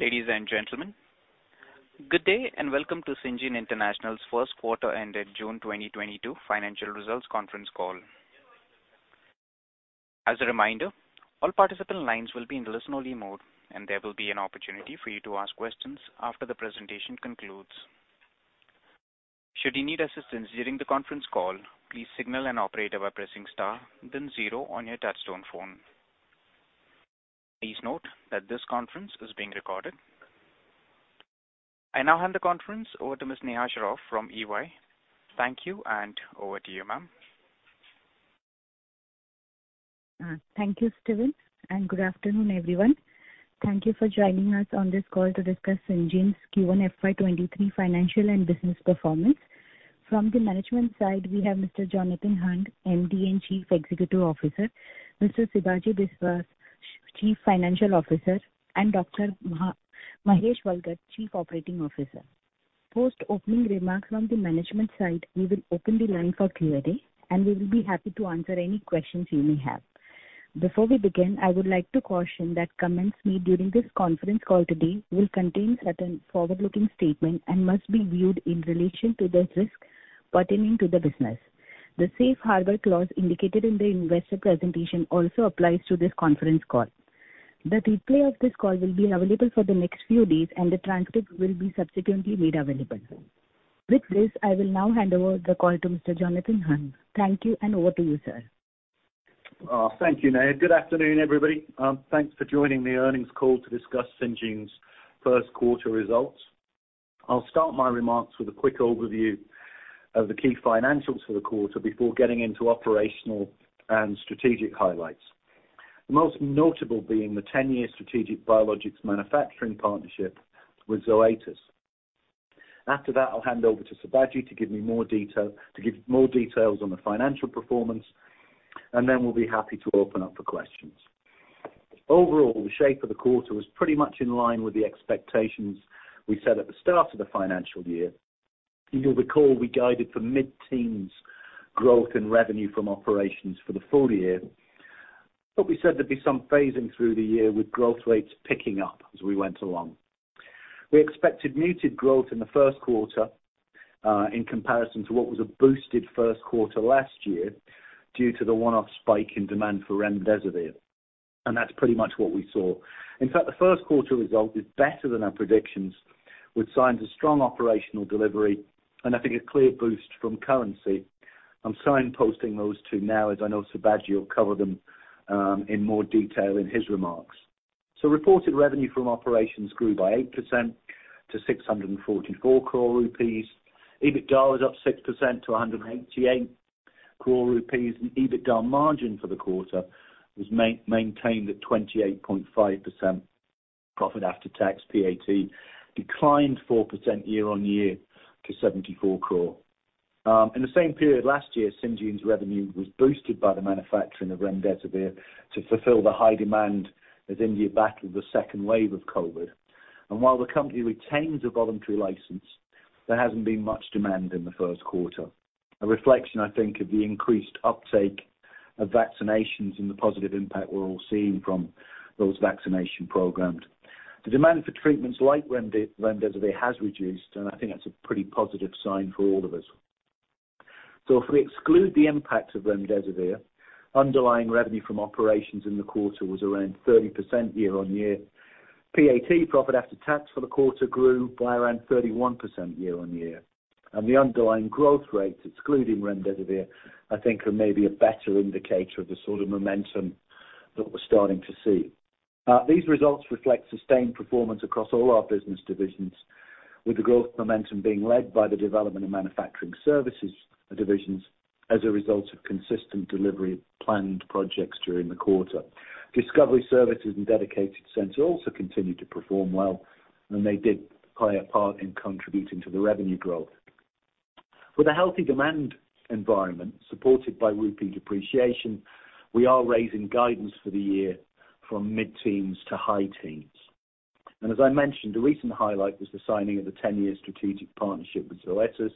Ladies and gentlemen, good day and welcome to Syngene International's first quarter ended June 2022 financial results conference call. As a reminder, all participant lines will be in listen only mode, and there will be an opportunity for you to ask questions after the presentation concludes. Should you need assistance during the conference call, please signal an operator by pressing star then zero on your touch-tone phone. Please note that this conference is being recorded. I now hand the conference over to Miss Neha Shroff from EY. Thank you and over to you, ma'am. Thank you, Steven, and good afternoon, everyone. Thank you for joining us on this call to discuss Syngene's Q1 FY 2023 financial and business performance. From the management side, we have Mr. Jonathan Hunt, MD and Chief Executive Officer, Mr. Sibaji Biswas, Chief Financial Officer, and Dr. Mahesh Bhalgat, Chief Operating Officer. Post opening remarks from the management side, we will open the line for Q&A, and we will be happy to answer any questions you may have. Before we begin, I would like to caution that comments made during this conference call today will contain certain forward-looking statements and must be viewed in relation to the risk pertaining to the business. The safe harbor clause indicated in the investor presentation also applies to this conference call. The replay of this call will be available for the next few days, and the transcript will be subsequently made available. With this, I will now hand over the call to Mr. Jonathan Hunt. Thank you, and over to you, sir. Thank you, Neha. Good afternoon, everybody. Thanks for joining the earnings call to discuss Syngene's first quarter results. I'll start my remarks with a quick overview of the key financials for the quarter before getting into operational and strategic highlights. Most notable being the 10-year strategic biologics manufacturing partnership with Zoetis. After that, I'll hand over to Sibaji to give more details on the financial performance, and then we'll be happy to open up for questions. Overall, the shape of the quarter was pretty much in line with the expectations we set at the start of the financial year. You'll recall we guided for mid-teens growth in revenue from operations for the full year. We said there'd be some phasing through the year with growth rates picking up as we went along. We expected muted growth in the first quarter in comparison to what was a boosted first quarter last year due to the one-off spike in demand for remdesivir, and that's pretty much what we saw. In fact, the first quarter result is better than our predictions, with signs of strong operational delivery and I think a clear boost from currency. I'm signposting those two now as I know Sibaji will cover them in more detail in his remarks. Reported revenue from operations grew by 8% to 644 crore rupees. EBITDA was up 6% to 188 crore rupees. EBITDA margin for the quarter was maintained at 28.5%. Profit after tax, PAT, declined 4% year-on-year to 74 crore. In the same period last year, Syngene's revenue was boosted by the manufacturing of remdesivir to fulfill the high demand as India battled the second wave of COVID. While the company retains a voluntary license, there hasn't been much demand in the first quarter. A reflection, I think, of the increased uptake of vaccinations and the positive impact we're all seeing from those vaccination programs. The demand for treatments like remdesivir has reduced, and I think that's a pretty positive sign for all of us. If we exclude the impact of remdesivir, underlying revenue from operations in the quarter was around 30% year-on-year. PAT, profit after tax, for the quarter grew by around 31% year-on-year. The underlying growth rates, excluding remdesivir, I think are maybe a better indicator of the sort of momentum that we're starting to see. These results reflect sustained performance across all our business divisions, with the growth momentum being led by the Development and Manufacturing Services divisions as a result of consistent delivery of planned projects during the quarter. Discovery Services and Dedicated Center also continued to perform well, and they did play a part in contributing to the revenue growth. With a healthy demand environment supported by rupee depreciation, we are raising guidance for the year from mid-teens to high teens. As I mentioned, a recent highlight was the signing of the 10-year strategic partnership with Zoetis.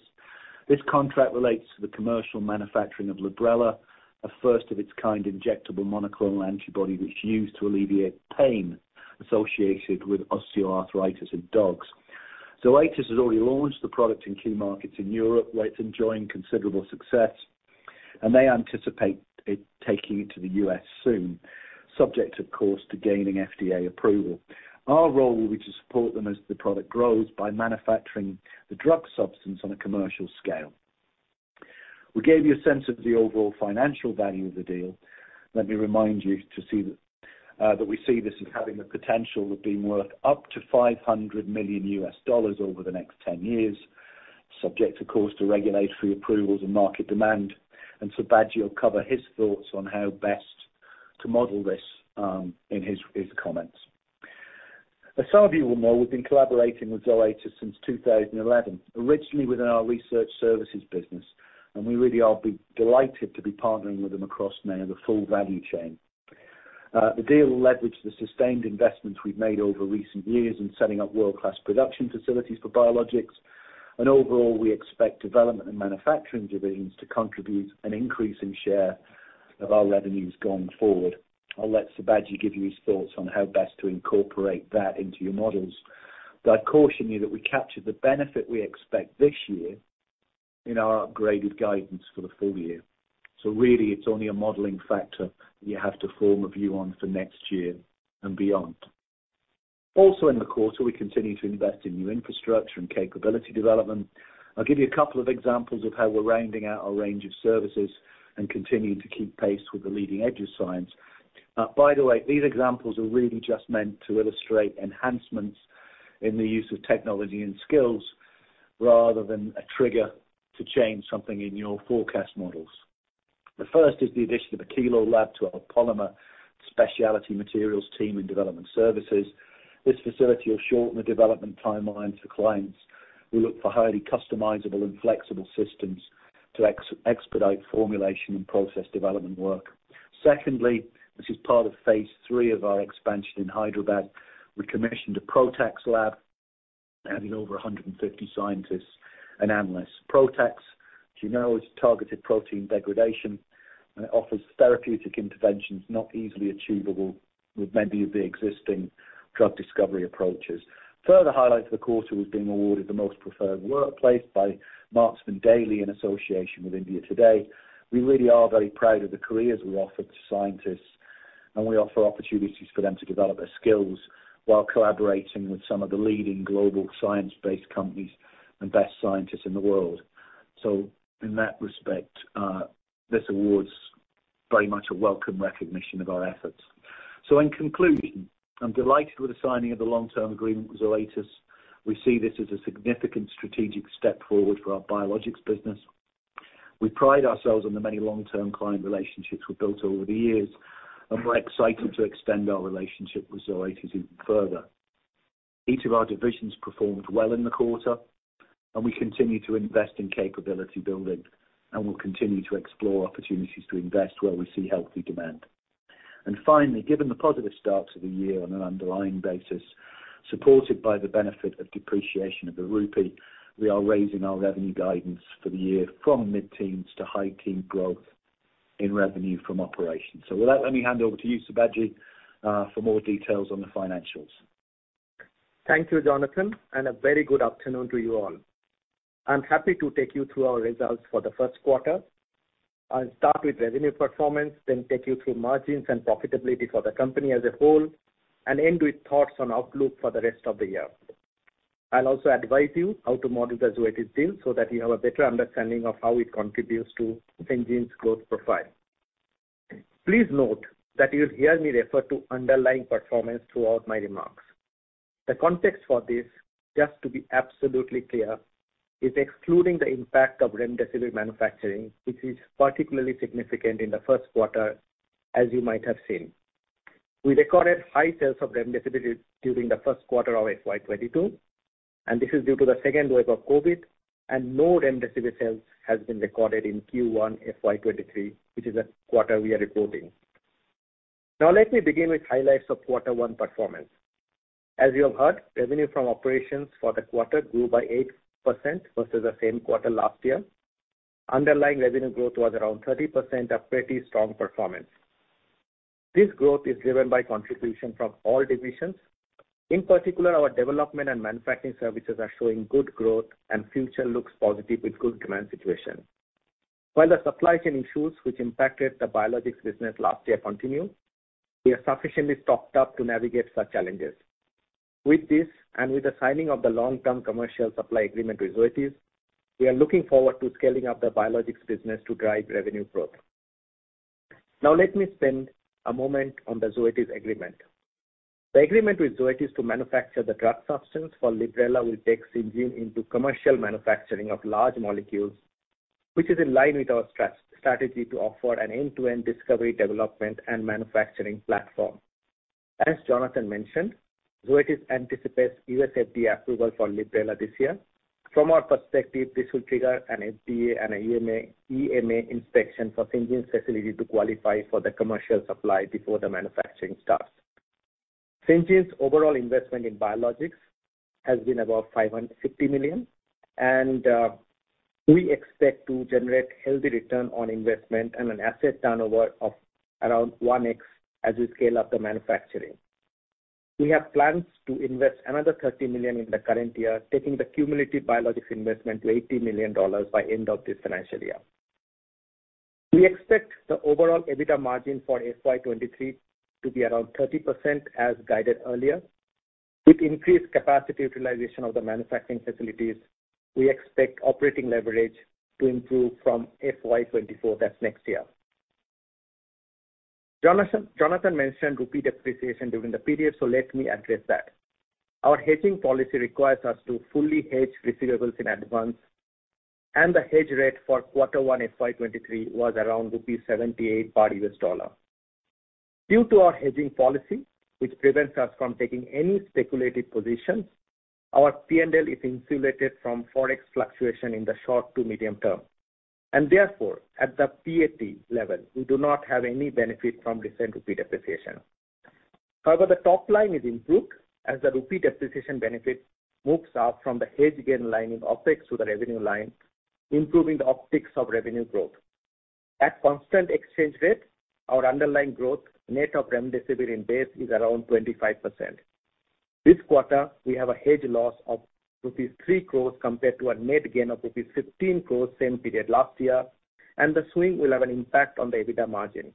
This contract relates to the commercial manufacturing of Librela, a first of its kind injectable monoclonal antibody which is used to alleviate pain associated with osteoarthritis in dogs. Zoetis has already launched the product in key markets in Europe, where it's enjoying considerable success, and they anticipate it taking it to the U.S. soon, subject of course to gaining FDA approval. Our role will be to support them as the product grows by manufacturing the drug substance on a commercial scale. We gave you a sense of the overall financial value of the deal. Let me remind you to see that we see this as having the potential of being worth up to $500 million over the next 10 years, subject of course to regulatory approvals and market demand. Sibaji will cover his thoughts on how best to model this in his comments. As some of you will know, we've been collaborating with Zoetis since 2011, originally within our Research Services business, and we really are delighted to be partnering with them across now the full value chain. The deal will leverage the sustained investments we've made over recent years in setting up world-class production facilities for biologics. Overall, we expect Development and Manufacturing divisions to contribute an increase in share of our revenues going forward. I'll let Sibaji give you his thoughts on how best to incorporate that into your models. I caution you that we captured the benefit we expect this year in our upgraded guidance for the full year. Really, it's only a modeling factor you have to form a view on for next year and beyond. Also in the quarter, we continue to invest in new infrastructure and capability development. I'll give you a couple of examples of how we're rounding out our range of services and continuing to keep pace with the leading edge of science. By the way, these examples are really just meant to illustrate enhancements in the use of technology and skills rather than a trigger to change something in your forecast models. The first is the addition of a kilo lab to our polymer specialty materials team in Development Services. This facility will shorten the development timeline for clients who look for highly customizable and flexible systems to expedite formulation and process development work. Secondly, this is part of phase III of our expansion in Hyderabad. We commissioned a PROTACs lab adding over 150 scientists and analysts. PROTACs, as you know, is targeted protein degradation, and it offers therapeutic interventions not easily achievable with many of the existing drug discovery approaches. Further highlights of the quarter, we've been awarded the most preferred workplace by Marksmen Daily in association with India Today. We really are very proud of the careers we offer to scientists, and we offer opportunities for them to develop their skills while collaborating with some of the leading global science-based companies and best scientists in the world. In that respect, this award's very much a welcome recognition of our efforts. In conclusion, I'm delighted with the signing of the long-term agreement with Zoetis. We see this as a significant strategic step forward for our biologics business. We pride ourselves on the many long-term client relationships we've built over the years, and we're excited to extend our relationship with Zoetis even further. Each of our divisions performed well in the quarter, and we continue to invest in capability building, and we'll continue to explore opportunities to invest where we see healthy demand. Finally, given the positive starts of the year on an underlying basis, supported by the benefit of depreciation of the rupee, we are raising our revenue guidance for the year from mid-teens to high teen growth in revenue from operations. With that, let me hand over to you, Sibaji, for more details on the financials. Thank you, Jonathan, and a very good afternoon to you all. I'm happy to take you through our results for the first quarter. I'll start with revenue performance, then take you through margins and profitability for the company as a whole, and end with thoughts on outlook for the rest of the year. I'll also advise you how to model the Zoetis deal so that you have a better understanding of how it contributes to Syngene's growth profile. Please note that you'll hear me refer to underlying performance throughout my remarks. The context for this, just to be absolutely clear, is excluding the impact of remdesivir manufacturing, which is particularly significant in the first quarter, as you might have seen. We recorded high sales of remdesivir during the first quarter of FY 2022, and this is due to the second wave of COVID, and no remdesivir sales has been recorded in Q1 FY 2023, which is the quarter we are reporting. Now let me begin with highlights of quarter one performance. As you have heard, revenue from operations for the quarter grew by 8% versus the same quarter last year. Underlying revenue growth was around 30%, a pretty strong performance. This growth is driven by contribution from all divisions. In particular, our Development and Manufacturing Services are showing good growth and future looks positive with good demand situation. While the supply chain issues which impacted the biologics business last year continue, we are sufficiently stocked up to navigate such challenges. With this and with the signing of the long-term commercial supply agreement with Zoetis, we are looking forward to scaling up the biologics business to drive revenue growth. Now let me spend a moment on the Zoetis agreement. The agreement with Zoetis to manufacture the drug substance for Librela will take Syngene into commercial manufacturing of large molecules, which is in line with our strategy to offer an end-to-end discovery, development, and manufacturing platform. As Jonathan mentioned, Zoetis anticipates U.S. FDA approval for Librela this year. From our perspective, this will trigger an FDA and EMA inspection for Syngene's facility to qualify for the commercial supply before the manufacturing start. Syngene's overall investment in biologics has been about 550 million, and we expect to generate healthy return on investment and an asset turnover of around 1x as we scale up the manufacturing. We have plans to invest another $30 million in the current year, taking the cumulative biologics investment to $80 million by end of this financial year. We expect the overall EBITDA margin for FY 2023 to be around 30% as guided earlier. With increased capacity utilization of the manufacturing facilities, we expect operating leverage to improve from FY 2024. That's next year. Jonathan mentioned rupee depreciation during the period, so let me address that. Our hedging policy requires us to fully hedge receivables in advance, and the hedge rate for Q1 FY 2023 was around rupees 78 per U.S. dollar. Due to our hedging policy, which prevents us from taking any speculative positions, our P&L is insulated from forex fluctuation in the short to medium term, and therefore, at the PAT level, we do not have any benefit from recent rupee depreciation. However, the top line is improved as the rupee depreciation benefit moves up from the hedge gain line in OpEx to the revenue line, improving the optics of revenue growth. At constant exchange rate, our underlying growth net of remdesivir in base is around 25%. This quarter, we have a hedge loss of rupees 3 crore compared to a net gain of rupees 15 crore same period last year, and the swing will have an impact on the EBITDA margin.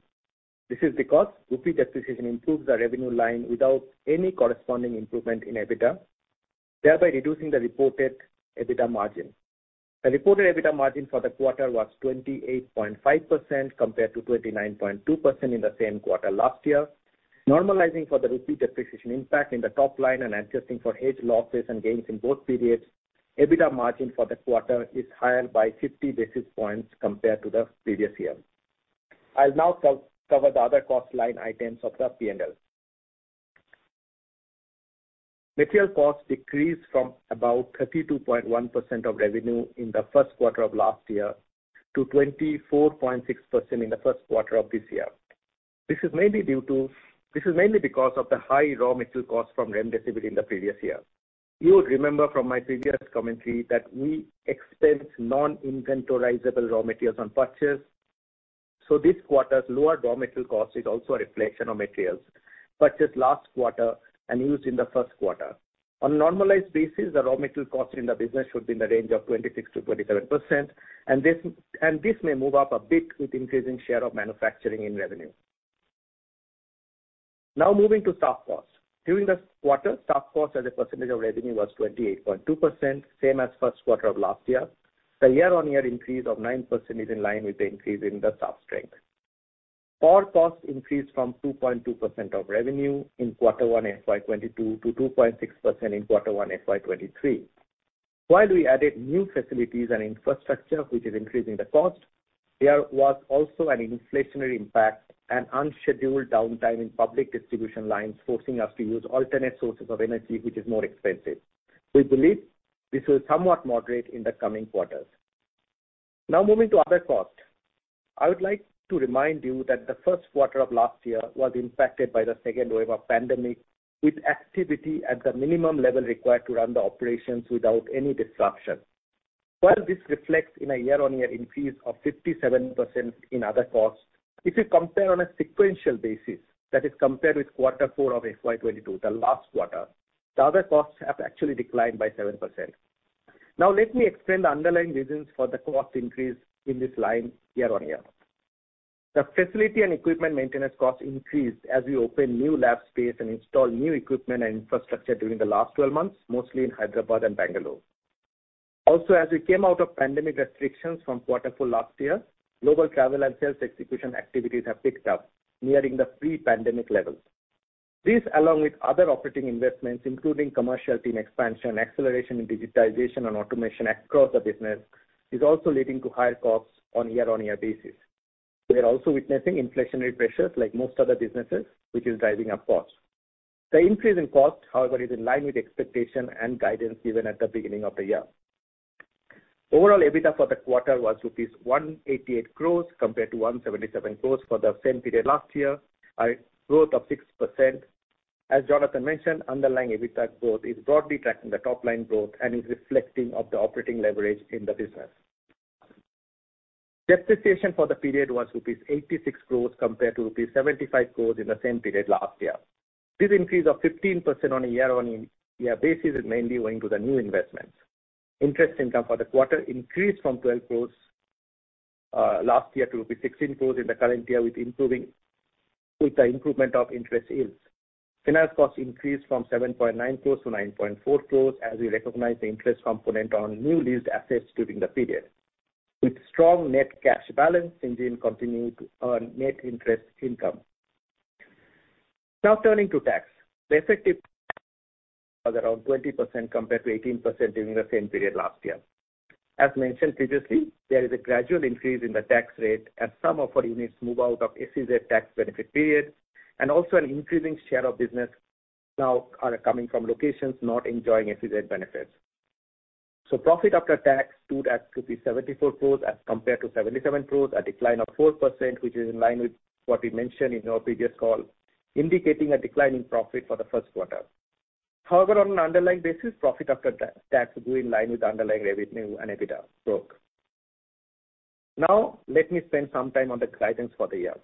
This is because rupee depreciation improves the revenue line without any corresponding improvement in EBITDA, thereby reducing the reported EBITDA margin. The reported EBITDA margin for the quarter was 28.5% compared to 29.2% in the same quarter last year. Normalizing for the rupee depreciation impact in the top line and adjusting for hedge losses and gains in both periods, EBITDA margin for the quarter is higher by 50 basis points compared to the previous year. I'll now cover the other cost line items of the P&L. Material costs decreased from about 32.1% of revenue in the first quarter of last year to 24.6% in the first quarter of this year. This is mainly because of the high raw material costs from remdesivir in the previous year. You would remember from my previous commentary that we expense non-inventorizable raw materials on purchase, so this quarter's lower raw material cost is also a reflection of materials purchased last quarter and used in the first quarter. On a normalized basis, the raw material cost in the business should be in the range of 26%-27% and this may move up a bit with increasing share of manufacturing in revenue. Now moving to staff costs. During the quarter, staff costs as a percentage of revenue was 28.2%, same as first quarter of last year. The year-on-year increase of 9% is in line with the increase in the staff strength. Power costs increased from 2.2% of revenue in quarter one FY 2022 to 2.6% in quarter one FY 2023. While we added new facilities and infrastructure, which is increasing the cost, there was also an inflationary impact and unscheduled downtime in public distribution lines, forcing us to use alternate sources of energy, which is more expensive. We believe this will somewhat moderate in the coming quarters. Now moving to other costs. I would like to remind you that the first quarter of last year was impacted by the second wave of pandemic, with activity at the minimum level required to run the operations without any disruption. While this reflects in a year-on-year increase of 57% in other costs, if you compare on a sequential basis, that is compare with quarter four of FY 2022, the last quarter, the other costs have actually declined by 7%. Now let me explain the underlying reasons for the cost increase in this line year-on-year. The facility and equipment maintenance costs increased as we opened new lab space and installed new equipment and infrastructure during Mlast 12 months, mostly in Hyderabad and Mangalore. Also, as we came out of pandemic restrictions from quarter four last year, global travel and sales execution activities have picked up, nearing the pre-pandemic levels. This, along with other operating investments, including commercial team expansion, acceleration in digitization and automation across the business, is also leading to higher costs on year-on-year basis. We are also witnessing inflationary pressures like most other businesses, which is driving up costs. The increase in cost, however, is in line with expectation and guidance given at the beginning of the year. Overall, EBITDA for the quarter was rupees 188 crores compared to 177 crores for the same period last year, a growth of 6%. As Jonathan mentioned, underlying EBITDA growth is broadly tracking the top line growth and is reflecting of the operating leverage in the business. Depreciation for the period was rupees 86 crore compared to rupees 75 crore in the same period last year. This increase of 15% on a year-on-year basis is mainly owing to the new investments. Interest income for the quarter increased from 12 crore last year to rupees 16 crore in the current year with the improvement of interest yields. Finance costs increased from 7.9 crore to 9.4 crore as we recognize the interest component on new leased assets during the period. With strong net cash balance, we continued to earn net interest income. Now turning to tax. The effective was around 20% compared to 18% during the same period last year. As mentioned previously, there is a gradual increase in the tax rate as some of our units move out of SEZ tax benefit periods, and also an increasing share of business now are coming from locations not enjoying SEZ benefits. Profit after tax stood at 74 crore as compared to 77 crore, a decline of 4%, which is in line with what we mentioned in our previous call, indicating a decline in profit for the first quarter. However, on an underlying basis, profit after tax grew in line with underlying revenue and EBITDA growth. Now let me spend some time on the guidance for the year.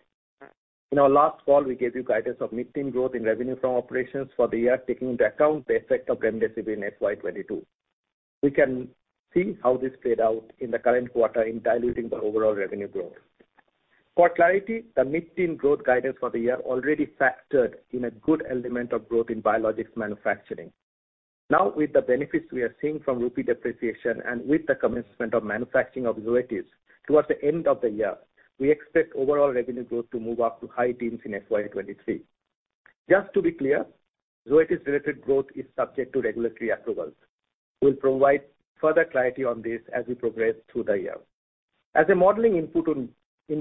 In our last call, we gave you guidance of mid-teen growth in revenue from operations for the year, taking into account the effect of remdesivir in FY 2022. We can see how this played out in the current quarter in diluting the overall revenue growth. For clarity, the mid-teen growth guidance for the year already factored in a good element of growth in biologics manufacturing. Now, with the benefits we are seeing from rupee depreciation and with the commencement of manufacturing of Zoetis towards the end of the year, we expect overall revenue growth to move up to high teens in FY 2023. Just to be clear, Zoetis-related growth is subject to regulatory approvals. We'll provide further clarity on this as we progress through the year. As a modeling input on the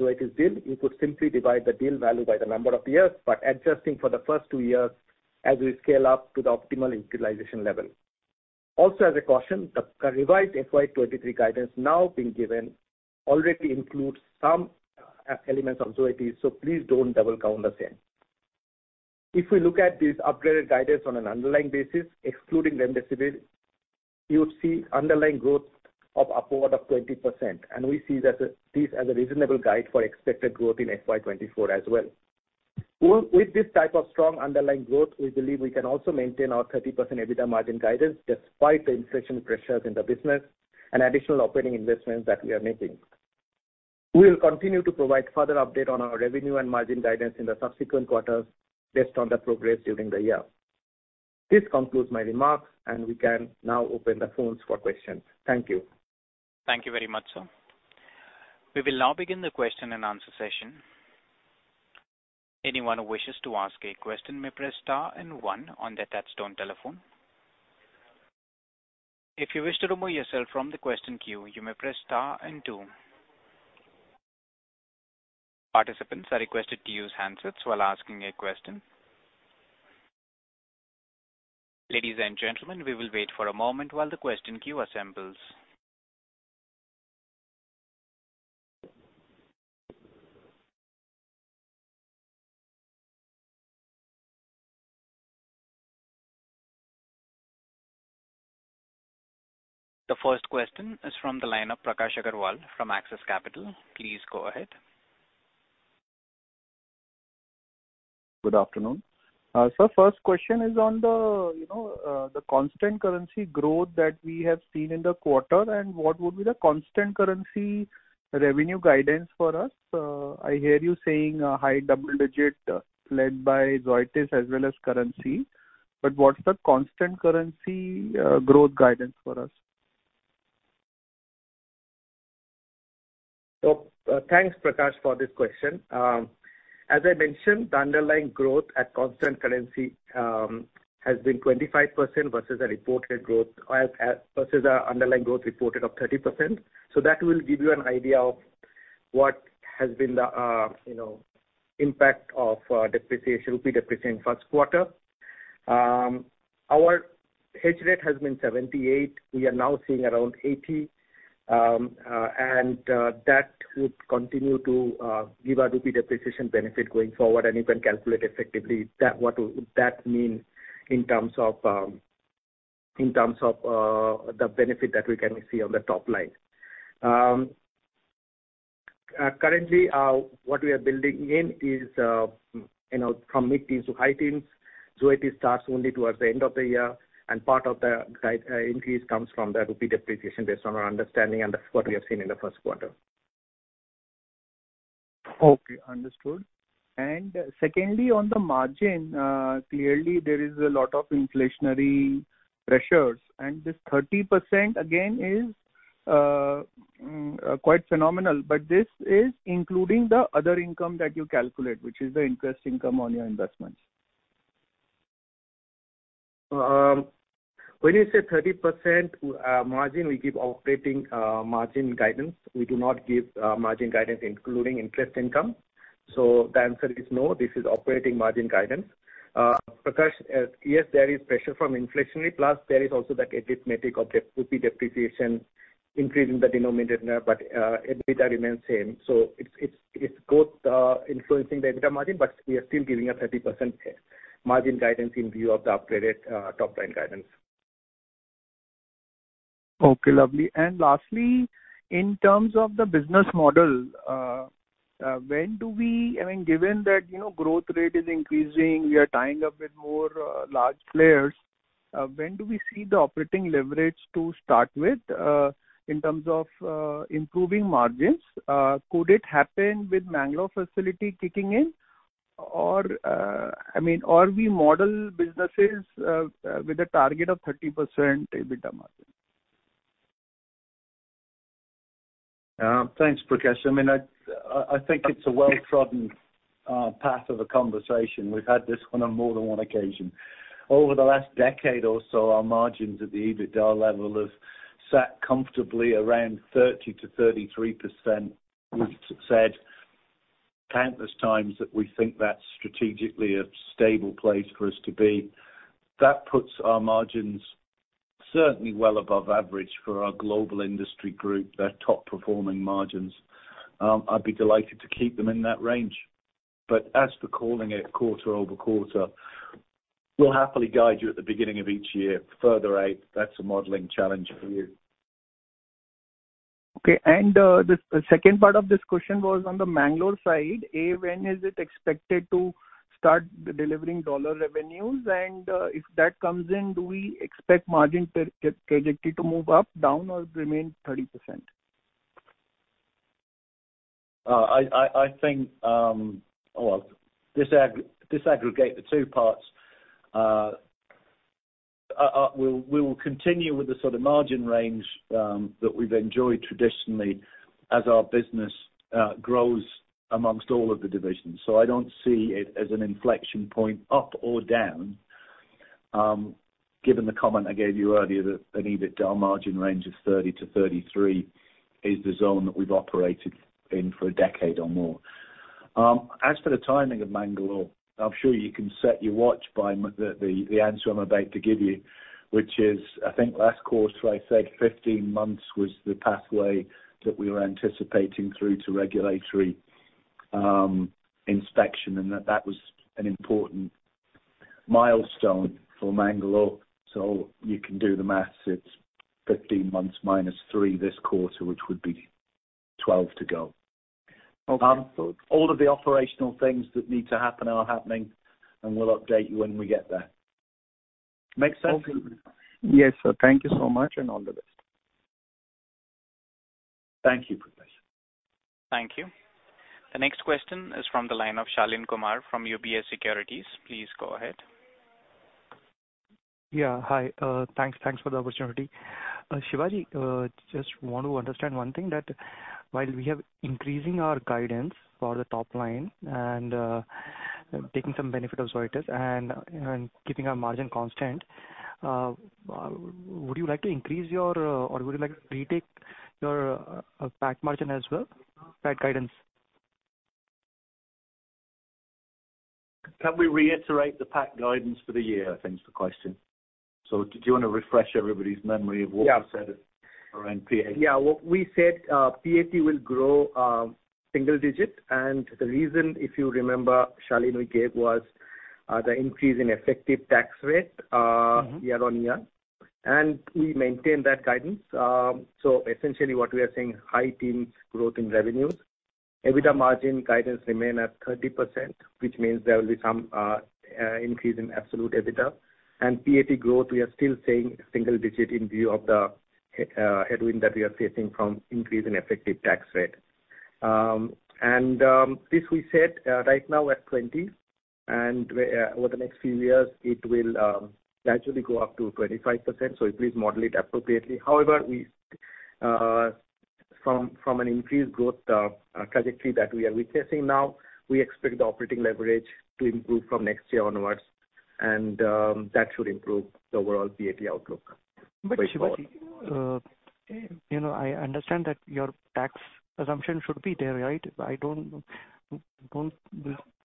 Zoetis deal, you could simply divide the deal value by the number of years, but adjusting for the first two years as we scale up to the optimal utilization level. Also as a caution, the revised FY 2023 guidance now being given already includes some elements of Zoetis, so please don't double count the same. If we look at this upgraded guidance on an underlying basis, excluding remdesivir, you will see underlying growth of upward of 20%, and we see that as this as a reasonable guide for expected growth in FY 2024 as well. With this type of strong underlying growth, we believe we can also maintain our 30% EBITDA margin guidance despite the inflation pressures in the business and additional operating investments that we are making. We will continue to provide further update on our revenue and margin guidance in the subsequent quarters based on the progress during the year. This concludes my remarks, and we can now open the phones for questions. Thank you. Thank you very much, sir. We will now begin the Q&A session. Anyone who wishes to ask a question may press star and one on their touch-tone telephone. If you wish to remove yourself from the question queue, you may press star and two. Participants are requested to use handsets while asking a question. Ladies and gentlemen, we will wait for a moment while the question queue assembles. The first question is from the line of Prakash Agarwal from Axis Capital. Please go ahead. Good afternoon. Sir, first question is on the, you know, the constant currency growth that we have seen in the quarter, and what would be the constant currency revenue guidance for us? I hear you saying a high double digit led by Zoetis as well as currency, but what's the constant currency growth guidance for us? Thanks, Prakash, for this question. As I mentioned, the underlying growth at constant currency has been 25% versus the reported growth of 30%. That will give you an idea of what has been the you know impact of rupee depreciation first quarter. Our hedge rate has been 78. We are now seeing around 80, and that would continue to give a rupee depreciation benefit going forward, and you can calculate effectively what that would mean in terms of the benefit that we can see on the top line. Currently, what we are building in is you know from mid-teens to high teens. Zoetis starts only towards the end of the year, and part of the guide increase comes from the rupee depreciation based on our understanding, and that's what we have seen in the first quarter. Okay, understood. Secondly, on the margin, clearly there is a lot of inflationary pressures, and this 30% again is quite phenomenal. But this is including the other income that you calculate, which is the interest income on your investments. When you say 30% margin, we give operating margin guidance. We do not give margin guidance including interest income. The answer is no, this is operating margin guidance. Prakash, yes, there is pressure from inflationary, plus there is also the arithmetic of the rupee depreciation increase in the denominator, but EBITDA remains same. It's both influencing the EBITDA margin, but we are still giving a 30% margin guidance in view of the upgraded top line guidance. Okay, lovely. Lastly, in terms of the business model, I mean, given that, you know, growth rate is increasing, we are tying up with more, large players, when do we see the operating leverage to start with, in terms of, improving margins? Could it happen with Mangalore facility kicking in or, I mean, or we model businesses, with a target of 30% EBITDA margin? Thanks, Prakash. I mean, I think it's a well-trodden path of a conversation. We've had this one on more than one occasion. Over the last decade or so, our margins at the EBITDA level have sat comfortably around 30%-33%. We've said countless times that we think that's strategically a stable place for us to be. That puts our margins certainly well above average for our global industry group, their top performing margins. I'd be delighted to keep them in that range. As for calling it quarter-over-quarter, we'll happily guide you at the beginning of each year. Further out, that's a modeling challenge for you. Okay. The second part of this question was on the Mangalore side. When is it expected to start delivering dollar revenues? If that comes in, do we expect margin trajectory to move up, down, or remain 30%? I think, well, disaggregate the two parts. We will continue with the sort of margin range that we've enjoyed traditionally as our business grows among all of the divisions. I don't see it as an inflection point up or down, given the comment I gave you earlier that an EBITDA margin range of 30%-33% is the zone that we've operated in for a decade or more. As for the timing of Mangalore, I'm sure you can set your watch by the answer I'm about to give you, which is, I think last quarter I said 15 months was the pathway that we were anticipating through to regulatory inspection, and that was an important milestone for Mangalore. You can do the math. It's 15 months minus 3 this quarter, which would be 12 to go. Okay. All of the operational things that need to happen are happening, and we'll update you when we get there. Make sense? Okay. Yes, sir. Thank you so much, and all the best. Thank you, Prakash. Thank you. The next question is from the line of Shaleen Kumar from UBS Securities. Please go ahead. Yeah, hi. Thanks for the opportunity. Sibaji, just want to understand one thing that while we are increasing our guidance for the top line and taking some benefit of Zoetis and keeping our margin constant, would you like to increase your or would you like to retake your PAT margin as well? PAT guidance. Can we reiterate the PAT guidance for the year? Thanks for question. Did you wanna refresh everybody's memory of what? Yeah We said around PAT? Yeah. What we said, PAT will grow single digit. The reason, if you remember, Shaleen, we gave was the increase in effective tax rate. Mm-hmm Year-on-year, we maintain that guidance. Essentially what we are saying, high teens growth in revenues. EBITDA margin guidance remains at 30%, which means there will be some increase in absolute EBITDA. PAT growth, we are still saying single digit in view of the headwind that we are facing from increase in effective tax rate. This we said, right now we're at 20, and over the next few years it will gradually go up to 25%, so please model it appropriately. However, from an increased growth trajectory that we are witnessing now, we expect the operating leverage to improve from next year onwards, and that should improve the overall PAT outlook going forward. Sibaji, you know, I understand that your tax assumption should be there, right? I don't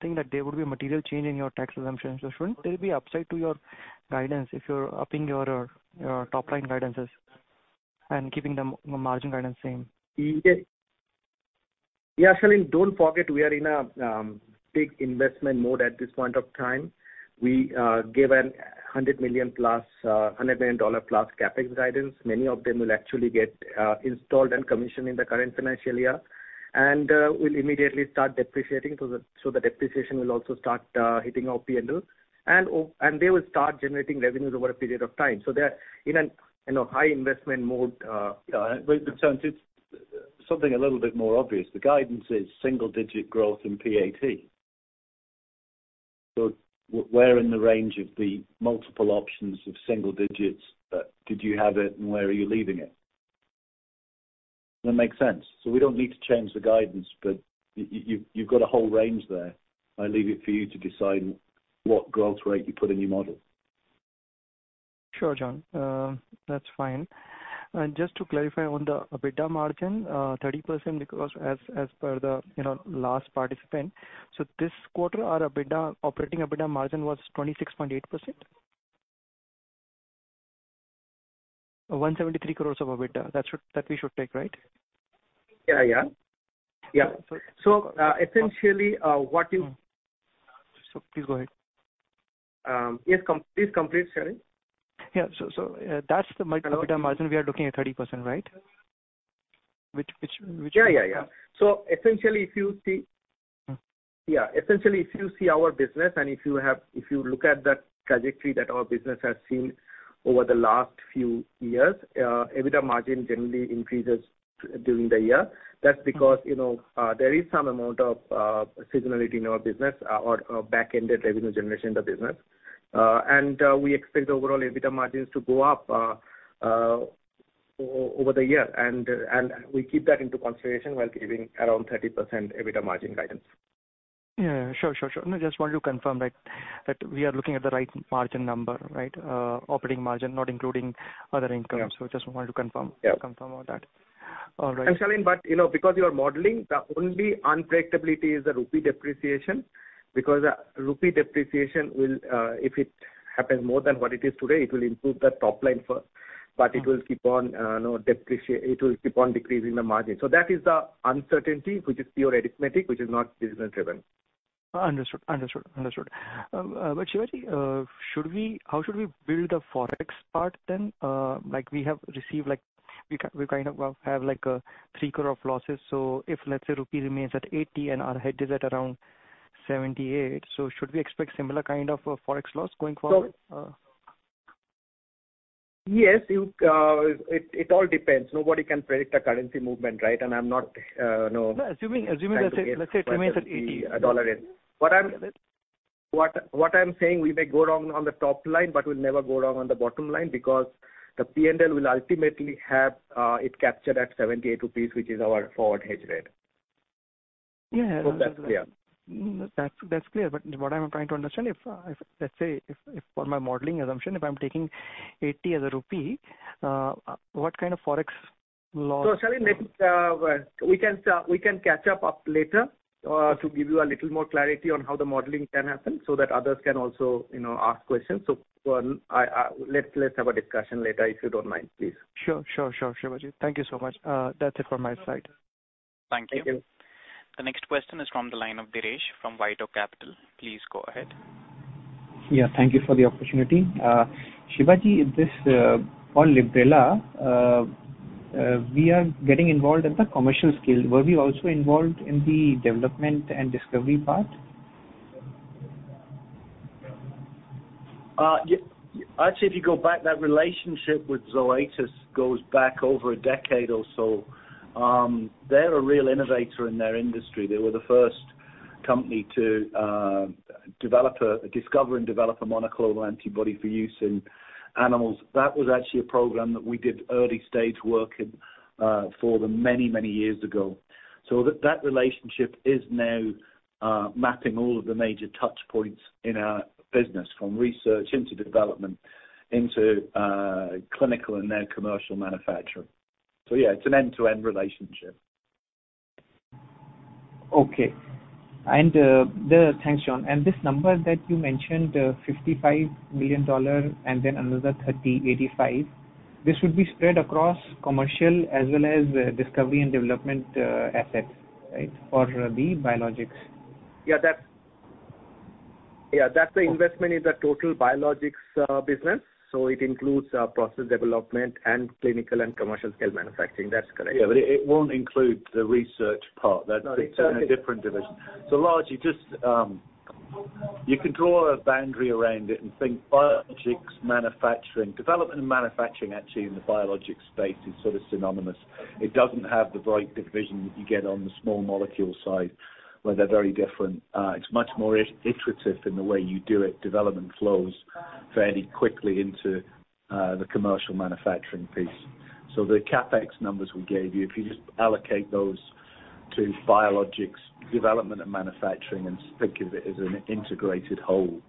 think that there would be a material change in your tax assumptions. Shouldn't there be upside to your guidance if you're upping your top line guidances and keeping the margin guidance same? Yeah. Yeah, Shaleen, don't forget we are in a big investment mode at this point of time. We gave a $100 million+ CapEx guidance. Many of them will actually get installed and commissioned in the current financial year. We'll immediately start depreciating, so the depreciation will also start hitting our P&L. They will start generating revenues over a period of time. They are in a high investment mode. Turn to something a little bit more obvious. The guidance is single-digit growth in PAT. Where in the range of the multiple options of single digits did you have it and where are you leaving it? That makes sense, we don't need to change the guidance, but you've got a whole range there. I leave it for you to decide what growth rate you put in your model. Sure, Jonathan. That's fine. Just to clarify on the EBITDA margin, 30% because as per the last participant. This quarter, our EBITDA, operating EBITDA margin was 26.8%. 173 crores of EBITDA. That we should take, right? Yeah, yeah. Yeah. So- Essentially, what you Sorry, please go ahead. Yes, please complete, Shaleen. That's the margin. Hello? EBITDA margin we are looking at 30%, right? Which Yeah. Essentially, if you see. Mm. Yeah. Essentially, if you see our business and if you look at the trajectory that our business has seen over the last few years, EBITDA margin generally increases during the year. That's because, you know, there is some amount of seasonality in our business or a back-ended revenue generation in the business. We expect overall EBITDA margins to go up over the year. We keep that into consideration while giving around 30% EBITDA margin guidance. Yeah. Sure, sure. No, just wanted to confirm that we are looking at the right margin number, right? Operating margin, not including other income. Yeah. Just wanted to confirm. Yeah. Confirm all that. All right. Shaleen, but you know, because you are modeling, the only unpredictability is the rupee depreciation. Because rupee depreciation will, if it happens more than what it is today, it will improve the top line. It will keep on decreasing the margin. That is the uncertainty, which is pure arithmetic, which is not business driven. Understood. Sibaji, how should we build a forex part then? We kind of have 3 crore of losses. If, let's say, rupee remains at 80 and our hedge is at around 78, should we expect similar kind of forex loss going forward? Yes, you, it all depends. Nobody can predict a currency movement, right? I'm not, you know. No, as.suming let's say. Trying to get- Let's say it remains at 80. The U.S. dollar is. Yeah, that. What I'm saying, we may go wrong on the top line, but we'll never go wrong on the bottom line because the P&L will ultimately have it captured at 78 rupees, which is our forward hedge rate. Yeah. Hope that's clear. No, that's clear. What I'm trying to understand, if, let's say, if for my modeling assumption, if I'm taking 80 as a rupee, what kind of forex- Shall we maybe we can catch up later to give you a little more clarity on how the modeling can happen so that others can also, you know, ask questions. Let's have a discussion later, if you don't mind, please. Sure, Sibaji. Thank you so much. That's it from my side. Thank you. Thank you. The next question is from the line of Dheeresh from White Oak Capital. Please go ahead. Yeah. Thank you for the opportunity. Sibaji, on Librela, we are getting involved at the commercial scale. Were we also involved in the development and discovery part? Actually, if you go back, that relationship with Zoetis goes back over a decade or so. They're a real innovator in their industry. They were the first company to discover and develop a monoclonal antibody for use in animals. That was actually a program that we did early-stage work in for them many years ago. That relationship is now mapping all of the major touchpoints in our business from research into development into clinical and now commercial manufacturing. Yeah, it's an end-to-end relationship. Okay. Thanks, Jonathan. This number that you mentioned, $55 million and then another $30 million-$85 million, this would be spread across commercial as well as discovery and development assets, right? For the biologics. That's the investment in the total biologics business, so it includes process development and clinical and commercial scale manufacturing. That's correct. But it won't include the research part. No. Exactly. It's in a different division. Largely just, you can draw a boundary around it and think biologics manufacturing. Development and manufacturing actually in the biologics space is sort of synonymous. It doesn't have the right division that you get on the small molecule side, where they're very different. It's much more iterative in the way you do it. Development flows fairly quickly into the commercial manufacturing piece. The CapEx numbers we gave you, if you just allocate those to biologics development and manufacturing and think of it as an integrated whole,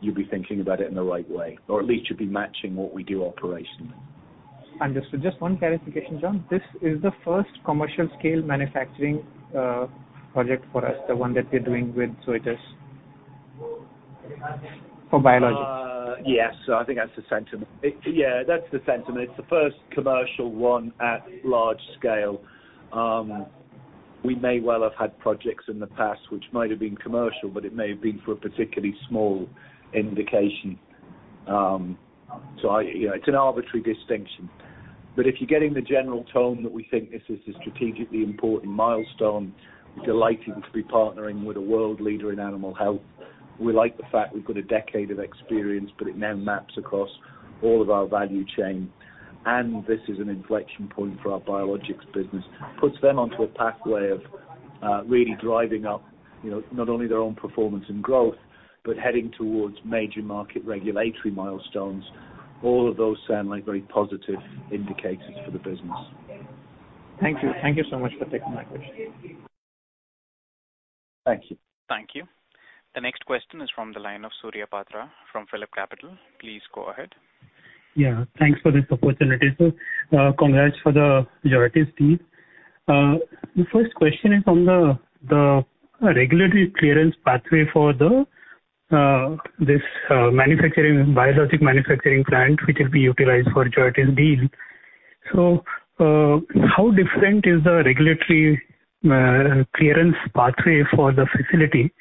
you'll be thinking about it in the right way, or at least you'll be matching what we do operationally. Understood. Just one clarification, Jonathan. This is the first commercial scale manufacturing project for us, the one that we're doing with Zoetis for biologics. Yes. I think that's the sentiment. Yeah, that's the sentiment. It's the first commercial one at large scale. We may well have had projects in the past which might have been commercial, but it may have been for a particularly small indication. You know, it's an arbitrary distinction. If you're getting the general tone that we think this is a strategically important milestone, we're delighted to be partnering with a world leader in animal health. We like the fact we've got a decade of experience, but it now maps across all of our value chain. This is an inflection point for our biologics business. Puts them onto a pathway of really driving up, you know, not only their own performance and growth, but heading towards major market regulatory milestones. All of those sound like very positive indicators for the business. Thank you. Thank you so much for taking my question. Thank you. Thank you. The next question is from the line of Surya Patra from PhillipCapital. Please go ahead. Yeah. Thanks for this opportunity, sir. Congrats for the management team. The first question is on the regulatory clearance pathway for the biologic manufacturing plant which will be utilized for Zoetis deal. How different is the regulatory clearance pathway for the facility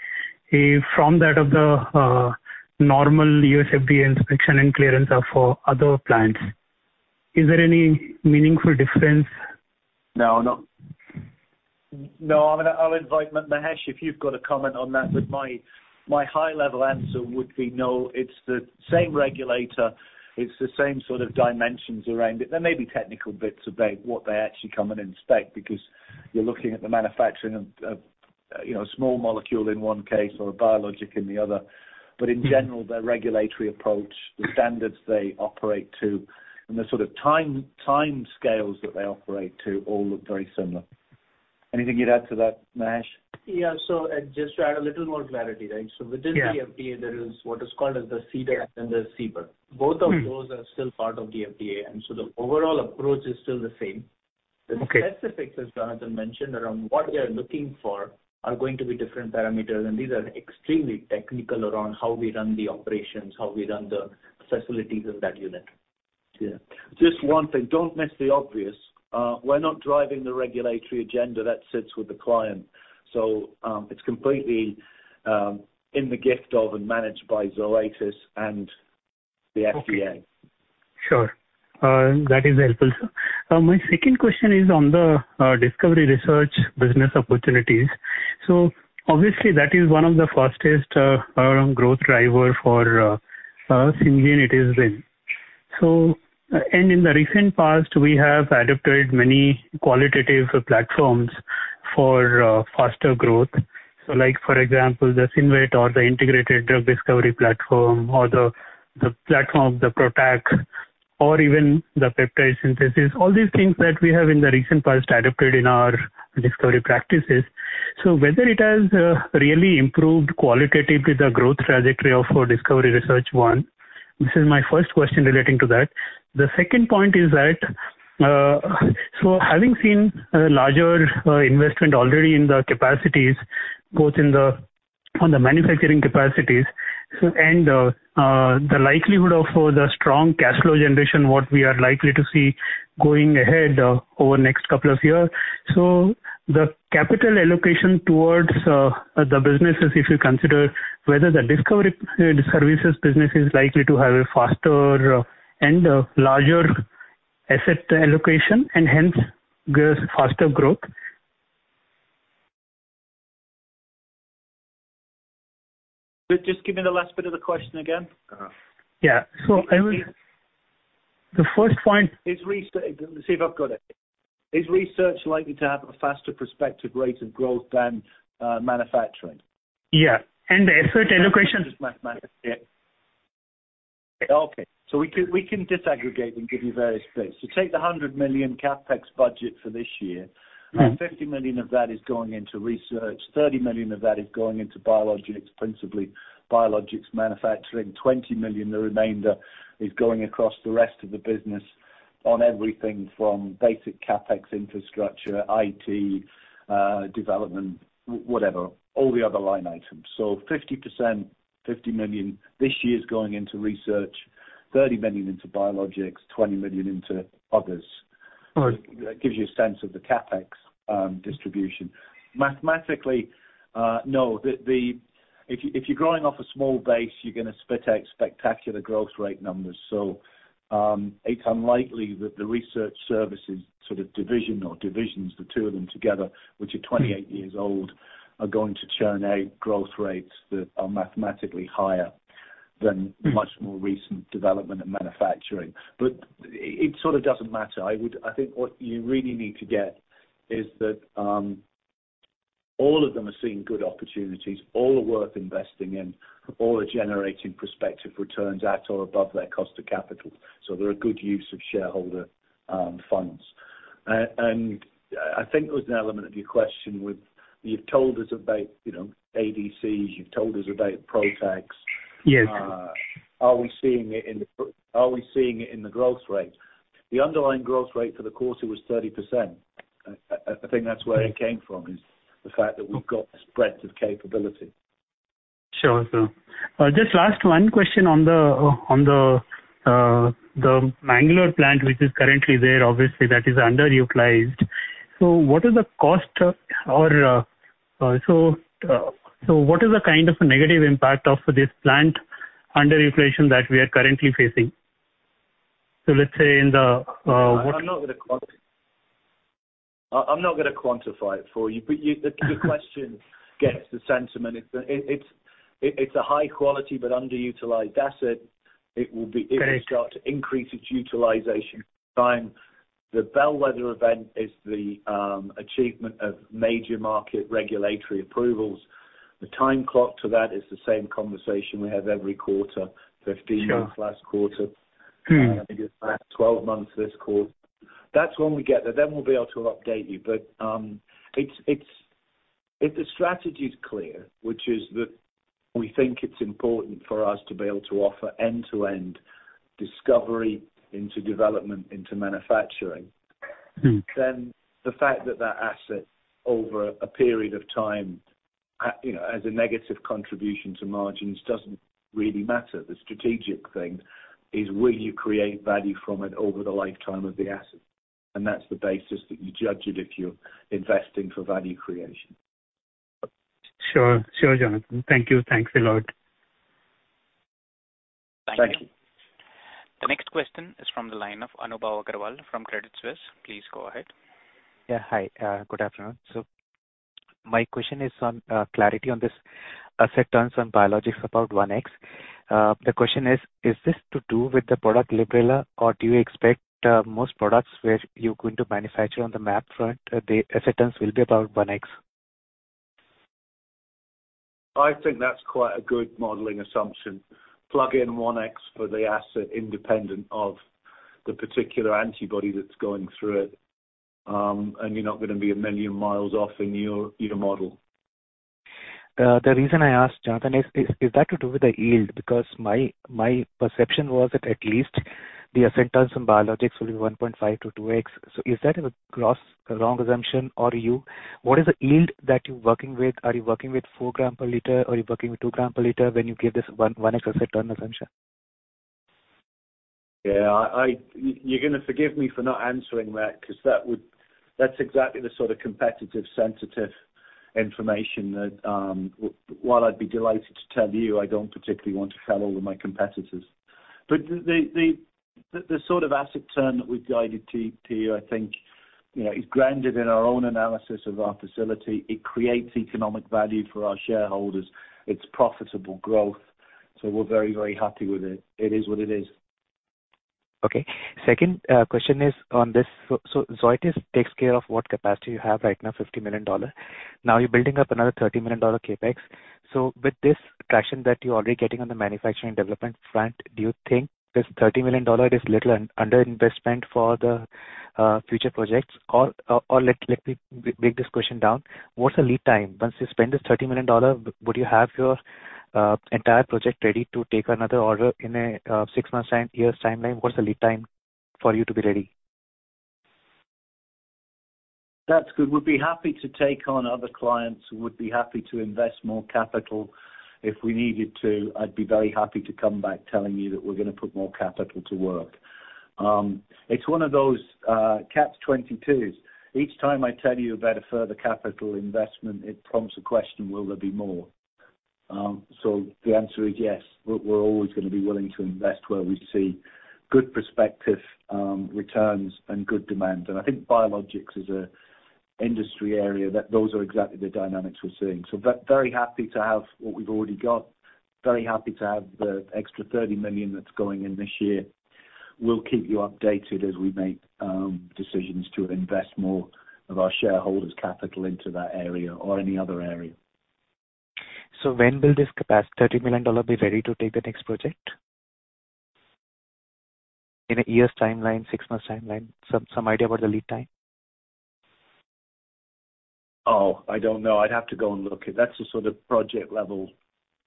from that of the normal U.S. FDA inspection and clearance as for other plants? Is there any meaningful difference? No. I'll invite Mahesh, if you've got a comment on that. My high level answer would be no. It's the same regulator. It's the same sort of dimensions around it. There may be technical bits about what they actually come and inspect because you're looking at the manufacturing of, you know, a small molecule in one case or a biologic in the other. In general, the regulatory approach, the standards they operate to and the sort of time, timescales that they operate to all look very similar. Anything you'd add to that, Mahesh? Yeah. Just to add a little more clarity, right? Yeah. Within the FDA there is what is called as the CDER and the CBER. Both of those are still part of the FDA, and so the overall approach is still the same. Okay. The specifics, as Jonathan mentioned, around what we are looking for are going to be different parameters, and these are extremely technical around how we run the operations, how we run the facilities in that unit. Yeah. Just one thing. Don't miss the obvious. We're not driving the regulatory agenda. That sits with the client. It's completely in the gift of and managed by Zoetis and the FDA. Okay. Sure. That is helpful, sir. My second question is on the discovery research business opportunities. Obviously that is one of the fastest growth driver for Syngene. It is really. In the recent past we have adopted many qualitative platforms for faster growth. Like for example, the SynVent or the integrated drug discovery platform or the platform, the PROTAC or even the peptide synthesis, all these things that we have in the recent past adopted in our discovery practices. Whether it has really improved qualitatively the growth trajectory of our discovery research on this. This is my first question relating to that. The second point is that so having seen a larger investment already in the capacities, both on the manufacturing capacities and the likelihood of the strong cash flow generation, what we are likely to see going ahead over the next couple of years. The capital allocation towards the businesses, if you consider whether the discovery services business is likely to have a faster and larger asset allocation and hence grows faster growth. Just give me the last bit of the question again. The first point. Let's see if I've got it. Is research likely to have a faster prospective rate of growth than manufacturing? Yeah. The asset allocation- Just mathematics. Yeah. Okay. We can disaggregate and give you various bits. Take the 100 million CapEx budget for this year. Mm-hmm. 50 million of that is going into research, 30 million of that is going into biologics, principally biologics manufacturing. 20 million, the remainder, is going across the rest of the business on everything from basic CapEx infrastructure, IT, development, whatever, all the other line items. 50%, 50 million this year is going into research, 30 million into biologics, 20 million into others. All right. That gives you a sense of the CapEx distribution. Mathematically, no. If you, if you're growing off a small base, you're gonna spit out spectacular growth rate numbers. It's unlikely that the Research Services sort of division or divisions, the two of them together, which are 28 years old, are going to churn out growth rates that are mathematically higher than much more recent Development and Manufacturing. It sort of doesn't matter. I think what you really need to get is that all of them are seeing good opportunities, all are worth investing in, all are generating prospective returns at or above their cost of capital. They're a good use of shareholder funds. I think there was an element of your question with you've told us about, you know, ADCs, you've told us about PROTACs. Yes. Are we seeing it in the growth rate? The underlying growth rate for the quarter was 30%. I think that's where it came from, is the fact that we've got a spread of capability. Sure, sir. Just last one question on the Mangalore plant, which is currently there. Obviously that is underutilized. What is the cost or what is the kind of negative impact of this plant underutilization that we are currently facing? Let's say in the I'm not gonna quantify it for you. The question gets the sentiment. It's a high quality but underutilized asset. It will be. Okay. If we start to increase its utilization time, the bellwether event is the achievement of major market regulatory approvals. The time clock to that is the same conversation we have every quarter. Sure. 15 months last quarter. Mm-hmm. I think it's about 12 months this quarter. That's when we get there. We'll be able to update you. If the strategy's clear, which is that we think it's important for us to be able to offer end-to-end Discovery into Development into Manufacturing. Mm-hmm The fact that asset over a period of time, you know, as a negative contribution to margins doesn't really matter. The strategic thing is will you create value from it over the lifetime of the asset? That's the basis that you judge it if you're investing for value creation. Sure, Jonathan. Thank you. Thanks a lot. Thank you. Thank you. The next question is from the line of Anubhav Agarwal from Credit Suisse. Please go ahead. Yeah. Hi. Good afternoon. My question is on clarity on this asset turns on biologics about 1x. The question is this to do with the product Librela or do you expect most products where you're going to manufacture on the mAb front, the asset turns will be about 1x? I think that's quite a good modeling assumption. Plug in 1x for the asset independent of the particular antibody that's going through it, and you're not gonna be a million miles off in your model. The reason I asked, Jonathan, is that to do with the yield? Because my perception was that at least the asset turns in biologics will be 1.5x-2x. So, is that a grossly wrong assumption? Or what is the yield that you're working with? Are you working with 4 grams per L or are you working with 2 grams per L when you give this 1.1 asset turn assumption? Yeah. You're gonna forgive me for not answering that because that's exactly the sort of competitively sensitive information that, while I'd be delighted to tell you, I don't particularly want to tell all of my competitors. The sort of asset turn that we've guided to you I think, you know, is grounded in our own analysis of our facility. It creates economic value for our shareholders. It's profitable growth, so we're very, very happy with it. It is what it is. Okay. Second question is on this. Zoetis takes care of what capacity you have right now, $50 million. Now you're building up another $30 million CapEx. With this traction that you're already getting on the Manufacturing and Development front, do you think this $30 million is little underinvestment for the future projects? Let me break this question down. What's the lead time? Once you spend this $30 million, would you have your entire project ready to take another order in a six months' time, years' timeline? What's the lead time for you to be ready? That's good. We'll be happy to take on other clients, would be happy to invest more capital if we needed to. I'd be very happy to come back telling you that we're gonna put more capital to work. It's one of those catch-22s. Each time I tell you about a further capital investment, it prompts a question, will there be more? The answer is yes. We're always gonna be willing to invest where we see good prospective returns and good demand. I think biologics is an industry area that those are exactly the dynamics we're seeing. Very happy to have what we've already got. Very happy to have the extra 30 million that's going in this year. We'll keep you updated as we make decisions to invest more of our shareholders' capital into that area or any other area. When will this $30 million capacity be ready to take the next project? In a year's timeline, six months timeline, some idea about the lead time? Oh, I don't know. I'd have to go and look. That's the sort of project level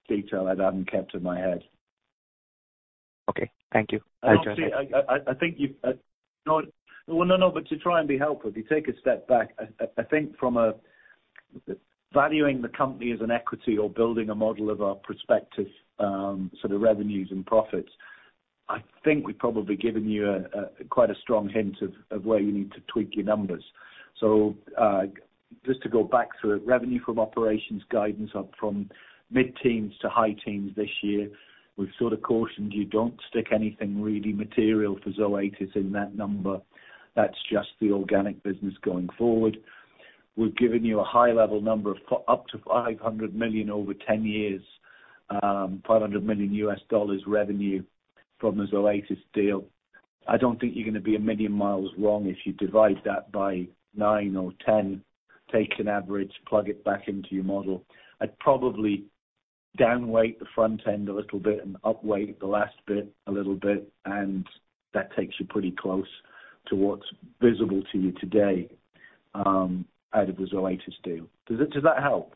detail I haven't kept in my head. Okay. Thank you. Well, no, but to try and be helpful, if you take a step back, I think from a valuing the company as an equity or building a model of our prospective sort of revenues and profits, I think we've probably given you a quite a strong hint of where you need to tweak your numbers. Just to go back through it, revenue from operations guidance up from mid-teens to high teens this year. We've sort of cautioned you, don't stick anything really material for Zoetis in that number. That's just the organic business going forward. We've given you a high-level number of up to $500 million over 10 years, $500 million revenue from the Zoetis deal. I don't think you're gonna be a million miles wrong if you divide that by 9 or 10, take an average, plug it back into your model. I'd probably down-weight the front end a little bit and up-weight the last bit a little bit, and that takes you pretty close to what's visible to you today, out of the Zoetis deal. Does that help?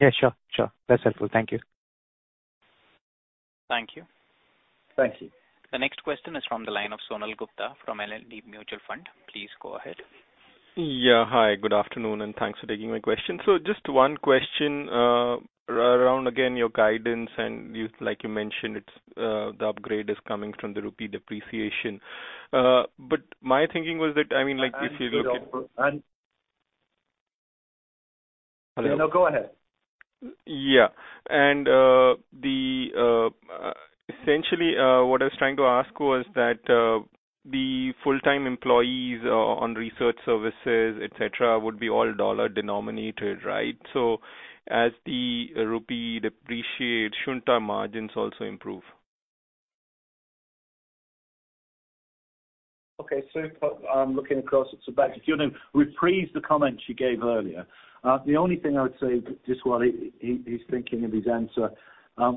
Yeah, sure. That's helpful. Thank you. Thank you. Thank you. The next question is from the line of Sonal Gupta from L&T Mutual Fund. Please go ahead. Yeah. Hi, good afternoon, and thanks for taking my question. Just one question, around again your guidance and you, like you mentioned, it's, the upgrade is coming from the rupee depreciation. My thinking was that, I mean, like, if you look at. And- Hello? No, go ahead. Yeah. Essentially, what I was trying to ask was that the full-time employees on Research Services, et cetera, would be all dollar denominated, right? As the rupee depreciate, shouldn't our margins also improve? Okay. I'm looking across at Sibaji. If you wanna reprise the comments you gave earlier. The only thing I would say, just while he's thinking of his answer,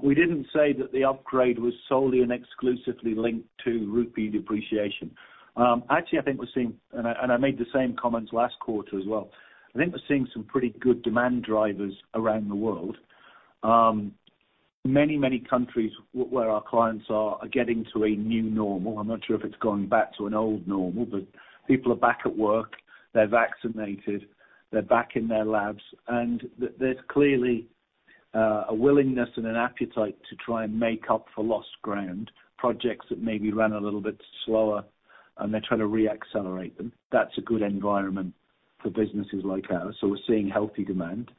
we didn't say that the upgrade was solely and exclusively linked to rupee depreciation. Actually I think we're seeing. I made the same comments last quarter as well. I think we're seeing some pretty good demand drivers around the world. Many countries where our clients are getting to a new normal. I'm not sure if it's going back to an old normal, but people are back at work, they're vaccinated, they're back in their labs, and there's clearly a willingness and an appetite to try and make up for lost ground, projects that maybe ran a little bit slower, and they're trying to re-accelerate them. That's a good environment for businesses like ours, so we're seeing healthy demand.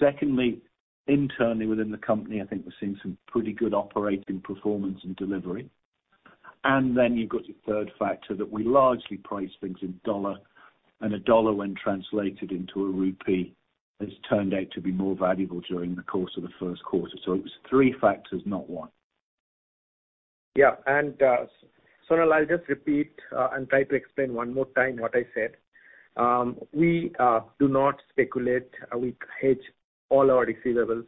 Secondly, internally within the company, I think we're seeing some pretty good operating performance and delivery. Then you've got the third factor that we largely price things in U.S. dollar. A U.S. dollar when translated into a rupee, has turned out to be more valuable during the course of the first quarter. It was three factors, not one. Yeah. Sonal, I'll just repeat and try to explain one more time what I said. We do not speculate. We hedge all our receivables.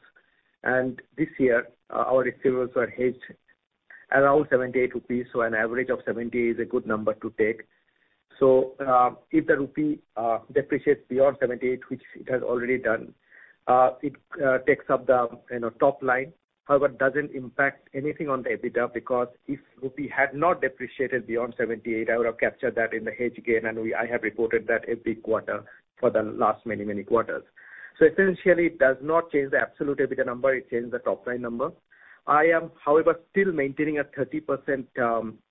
This year, our receivables were hedged around 70-80 rupees, so an average of 70 is a good number to take. If the rupee depreciates beyond 78, which it has already done, it takes up the, you know, top line, however, doesn't impact anything on the EBITDA because if rupee had not depreciated beyond 78, I would have captured that in the hedge gain, I have reported that every quarter for the last many, many quarters. Essentially, it does not change the absolute EBITDA number, it changes the top line number. I am, however, still maintaining a 30%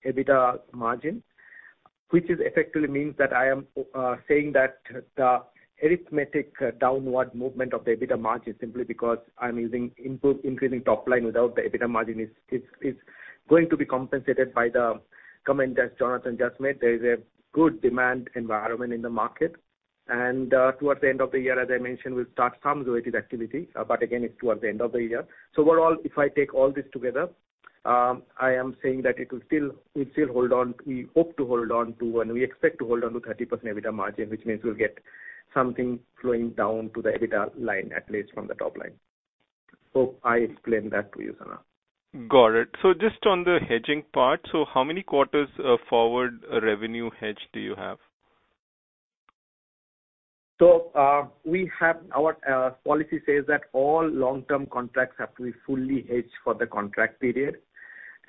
EBITDA margin, which effectively means that I am saying that the arithmetic downward movement of the EBITDA margin simply because of increasing top line without the EBITDA margin is going to be compensated by the comment that Jonathan just made. There is a good demand environment in the market. Towards the end of the year, as I mentioned, we'll start some Zoetis activity, but again, it's towards the end of the year. Overall, if I take all this together, I am saying that it will still hold on. We hope to hold on to, and we expect to hold on to 30% EBITDA margin, which means we'll get something flowing down to the EBITDA line, at least from the top line. Hope I explained that to you, Sonal. Got it. Just on the hedging part. How many quarters of forward revenue hedge do you have? We have our policy says that all long-term contracts have to be fully hedged for the contract period.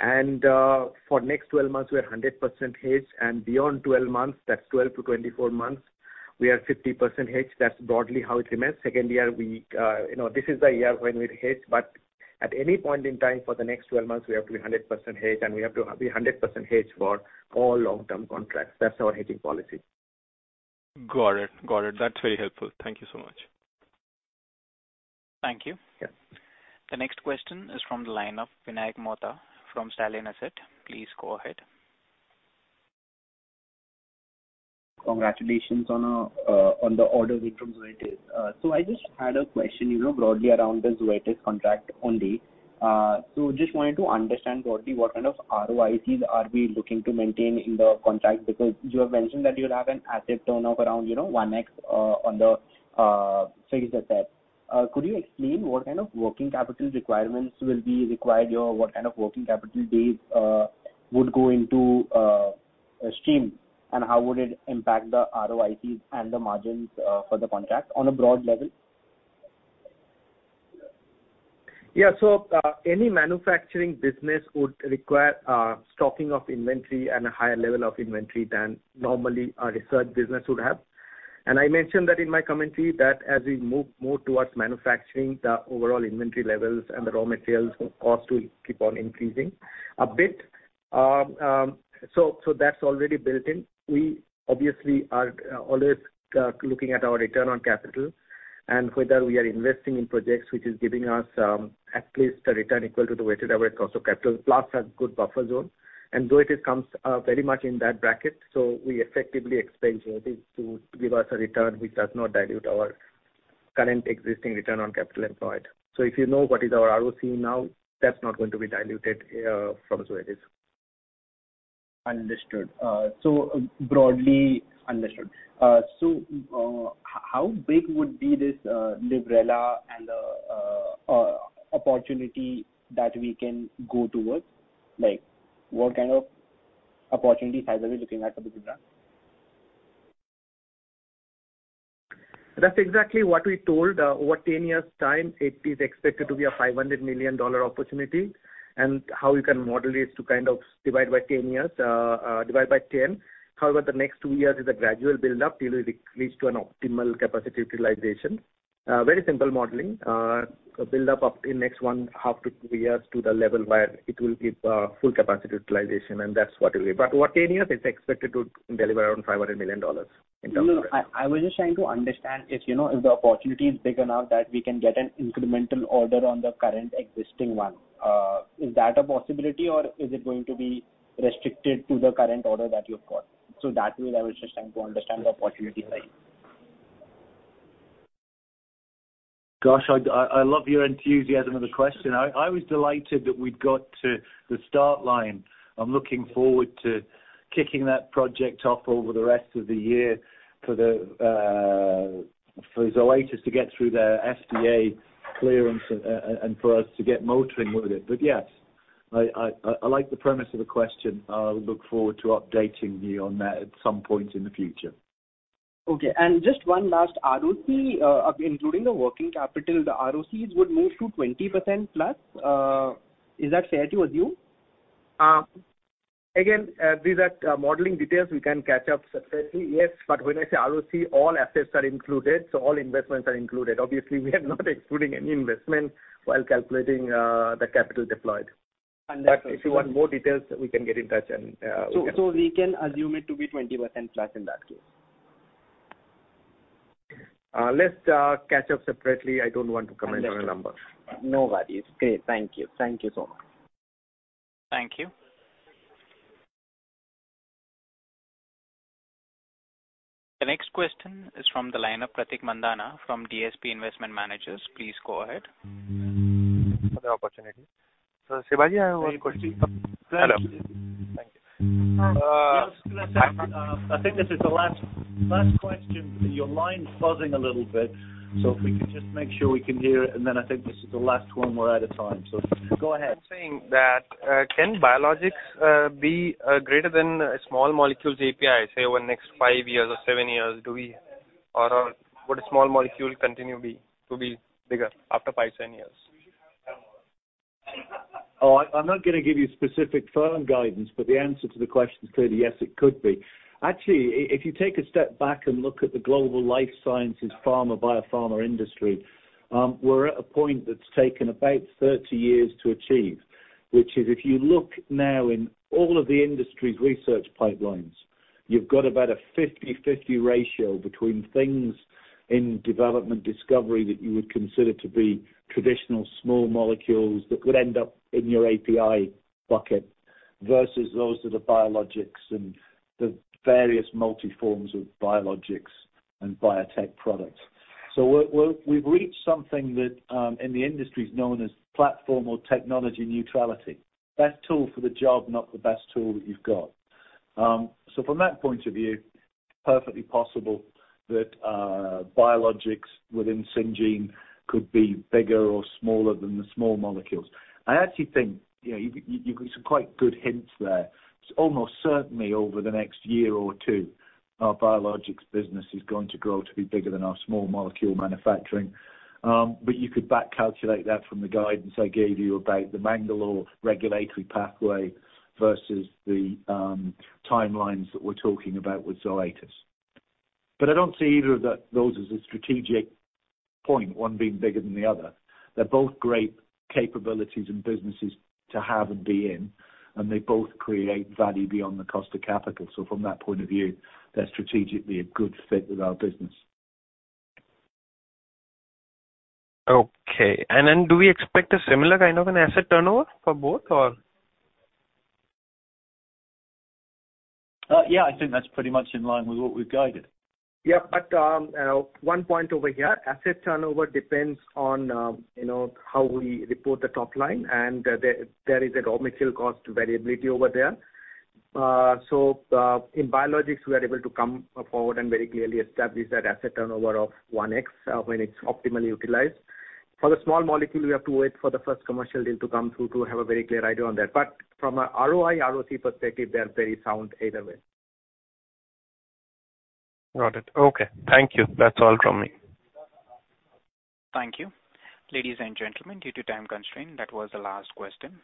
For next 12 months, we are 100% hedged, and beyond 12 months, that's 12 months-24 months, we are 50% hedged. That's broadly how it remains. Second year, we, you know, this is the year when we'll hedge, but at any point in time for the next 12 months, we have to be 100% hedged, and we have to be 100% hedged for all long-term contracts. That's our hedging policy. Got it. That's very helpful. Thank you so much. Thank you. Yeah. The next question is from the line of Vinayak Mohta from Stallion Asset. Please go ahead. Congratulations on the order win from Zoetis. I just had a question, you know, broadly around the Zoetis contract only. Just wanted to understand broadly what kind of ROICs are we looking to maintain in the contract because you have mentioned that you would have an asset turnover around, you know, 1x on the fixed asset. Could you explain what kind of working capital requirements will be required here? What kind of working capital days would go into a stream, and how would it impact the ROICs and the margins for the contract on a broad level? Yeah. Any manufacturing business would require stocking of inventory and a higher level of inventory than normally our research business would have. I mentioned that in my commentary that as we move more towards manufacturing, the overall inventory levels and the raw materials cost will keep on increasing a bit. That's already built in. We obviously are always looking at our return on capital and whether we are investing in projects which is giving us at least a return equal to the weighted average cost of capital plus a good buffer zone. Zoetis comes very much in that bracket. We effectively expect Zoetis to give us a return which does not dilute our current existing return on capital employed. If you know what our ROC is now, that's not going to be diluted from Zoetis. Understood. Broadly understood. How big would be this Librela and the opportunity that we can go towards? Like, what kind of opportunity size are we looking at for Librela? That's exactly what we told. Over 10 years' time, it is expected to be a $500 million opportunity. How you can model it is to kind of divide by 10 years, divide by 10. However, the next two years is a gradual build-up till it reach to an optimal capacity utilization. Very simple modeling. A build-up in next one half to two years to the level where it will give full capacity utilization, and that's what it'll be. Over 10 years, it's expected to deliver around $500 million in terms of. No, no. I was just trying to understand if, you know, if the opportunity is big enough that we can get an incremental order on the current existing one. Is that a possibility or is it going to be restricted to the current order that you've got? That way I was just trying to understand the opportunity size. Gosh, I love your enthusiasm of the question. I was delighted that we'd got to the start line. I'm looking forward to kicking that project off over the rest of the year for Zoetis to get through their FDA clearance and for us to get motoring with it. Yes, I like the premise of the question. I'll look forward to updating you on that at some point in the future. Okay. Just one last. ROC up including the working capital, the ROCs would move to 20%+. Is that fair to assume? Again, these are modeling details we can catch up separately. Yes, but when I say ROC, all assets are included, so all investments are included. Obviously, we are not excluding any investment while calculating the capital deployed. Understood. If you want more details, we can get in touch. We can assume it to be 20%+ in that case. Let's catch up separately. I don't want to comment on a number. Understood. No worries. Great. Thank you. Thank you so much. Thank you. The next question is from the line of Prateek Mandhana from DSP Investment Managers. Please go ahead. Thank you for the opportunity. Sibaji, I have one question. Thank you. Hello. Thank you. Just gonna say, I think this is the last question. Your line's buzzing a little bit, so if we can just make sure we can hear, and then I think this is the last one. We're out of time. Go ahead. I'm saying that can biologics be greater than small molecules API, say, over the next five years or seven years? Do we or would a small molecule continue to be bigger after five, 10 years? I'm not gonna give you specific firm guidance, but the answer to the question is clearly yes, it could be. Actually, if you take a step back and look at the global life sciences pharma, biopharma industry, we're at a point that's taken about 30 years to achieve. Which is, if you look now in all of the industry's research pipelines, you've got about a 50/50 ratio between things in development discovery that you would consider to be traditional small molecules that could end up in your API bucket versus those that are biologics and the various multi-forms of biologics and biotech products. We've reached something that, in the industry is known as platform or technology neutrality. Best tool for the job, not the best tool that you've got. So from that point of view, perfectly possible that biologics within Syngene could be bigger or smaller than the small molecules. I actually think, you know, you got some quite good hints there. It's almost certainly over the next year or two, our biologics business is going to grow to be bigger than our small molecule manufacturing. But you could back calculate that from the guidance I gave you about the Mangalore regulatory pathway versus the timelines that we're talking about with Zoetis. But I don't see either of those as a strategic point, one being bigger than the other. They're both great capabilities and businesses to have and be in, and they both create value beyond the cost of capital. From that point of view, they're strategically a good fit with our business. Okay. Do we expect a similar kind of an asset turnover for both or? Yeah, I think that's pretty much in line with what we've guided. Yeah. One point over here, asset turnover depends on, you know, how we report the top line, and there is a raw material cost variability over there. So, in biologics, we are able to come forward and very clearly establish that asset turnover of 1x, when it's optimally utilized. For the small molecule, we have to wait for the first commercial deal to come through to have a very clear idea on that. From a ROI, ROC perspective, they are very sound either way. Got it. Okay. Thank you. That's all from me. Thank you. Ladies and gentlemen, due to time constraint, that was the last question.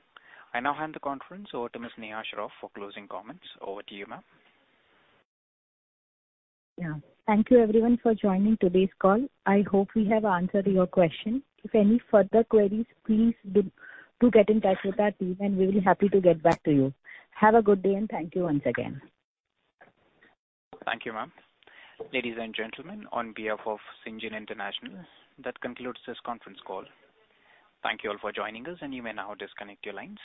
I now hand the conference over to Ms. Neha Shroff for closing comments. Over to you, ma'am. Yeah. Thank you everyone for joining today's call. I hope we have answered your question. If any further queries, please do get in touch with our team, and we'll be happy to get back to you. Have a good day, and thank you once again. Thank you, ma'am. Ladies and gentlemen, on behalf of Syngene International, that concludes this conference call. Thank you all for joining us, and you may now disconnect your lines.